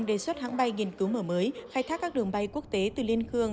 lâm đồng đề xuất hãng bay nghiên cứu mở mở mới khai thác các đường bay quốc tế từ liên khương